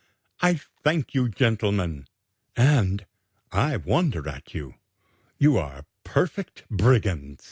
I thank you, gentlemen, and I wonder at you: you are perfect brigands!'"